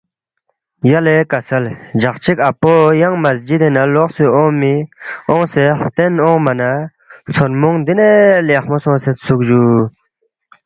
یلے کسل جق چِک اپو ینگ مسجدِنگ نہ لوقسے اونگسے ہلتین اونگما نہ ژھونمونگ دینے لیخمو سونگسیدسُوک جُو